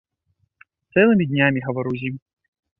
Цэлымі днямі гавару з ім.